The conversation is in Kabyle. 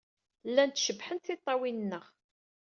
Llant cebḥent tiṭṭawin-nneɣ.